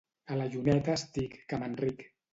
A la lluneta estic, que me'n ric.